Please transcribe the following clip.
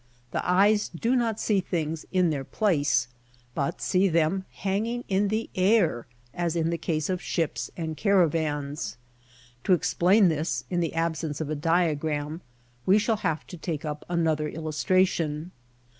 The eyes do not see things '^ in their place/' but see them hanging in the air as in the case of ships and caravans. To explain this, in the absence of a diagram, we shall have to take up another illustration.